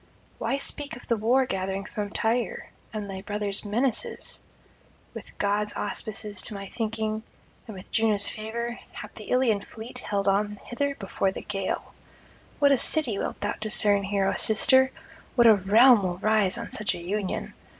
Why speak of the war gathering from Tyre, and thy brother's menaces? ... With gods' auspices to my thinking, and with Juno's favour, hath the Ilian fleet held on hither before the gale. What a city wilt thou discern here, O sister! what a realm will rise on such a union!